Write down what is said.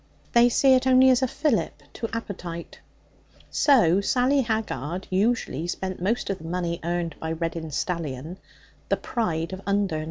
They see it only as a fillip to appetite. So Sally Haggard usually spent most of the money earned by Reddin's stallion, 'The Pride of Undern.'